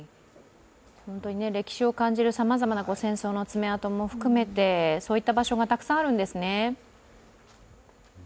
歴史を感じるさまざまな戦争の爪痕も含めてそういった場所がたくさんあるんですね。